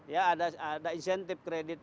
ya ada insentif kredit